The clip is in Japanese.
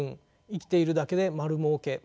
生きているだけで丸儲け。